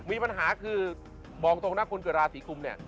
มีปัญหาคือบอกตรงนะคนเกิดราศีกุมเนี่ย